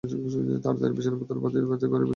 তাড়াতাড়ি বিছানাপত্র বাঁধিতে বাঁধিতে গাড়ি আসিয়া পড়িল।